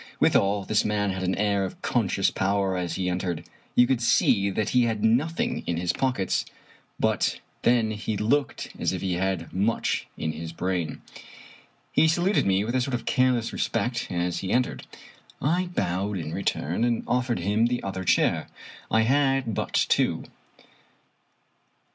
Withal, this man had an air of conscious power as he entered. You could see that he had nothing in his pockets, but then he looked as if he had much in his brain. He saluted me with a sort of careless respect as he en tered. I bowed in return, and offered him the other chair. I had but two.